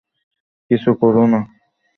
কিছু কোরো না।